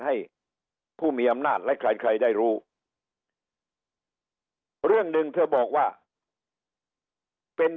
ให้ผู้มีอำนาจและใครใครได้รู้เรื่องหนึ่งเธอบอกว่าเป็น